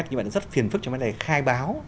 nhưng mà rất phiền phức trong vấn đề khai báo